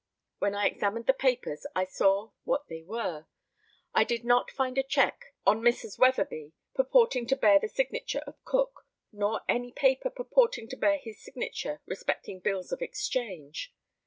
When I examined the papers I saw what they were. I did not find a cheque on Messrs. Weatherby, purporting to bear the signature of Cook, nor any paper purporting to bear his signature respecting bills of exchange.